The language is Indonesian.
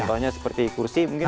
contohnya seperti kursi